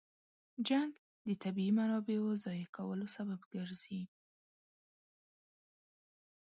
جنګ د طبیعي منابعو ضایع کولو سبب ګرځي.